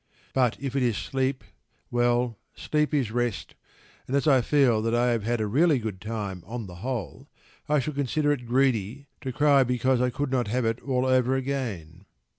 But if it is sleep: well, sleep is rest, and as I feel that I have had a really good time, on the whole, I should consider it greedy to cry because I could not have it all over again.